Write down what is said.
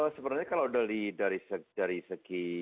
sebenarnya kalau dari segi